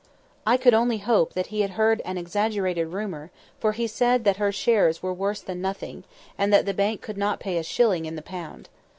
I could only hope that he had heard an exaggerated rumour for he said that her shares were worse than nothing, and that the bank could not pay a shilling in the pound.